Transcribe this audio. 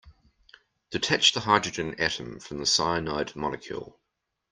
Detach the hydrogen atom from the cyanide molecule.